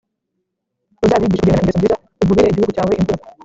uzabigishe kugendana ingeso nziza uvubire igihugu cyawe imvura,